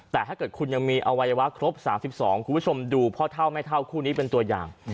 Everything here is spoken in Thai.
แต่ถ้าเกิดคุณยังมีอวัยวะครบ๓๒คุณผู้ชมดูพ่อเท่าไม่เท่าคู่นี้เป็นตัวอย่าง